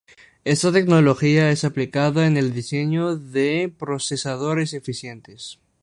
Esta tecnología es aplicada en el diseño de procesadores eficientes.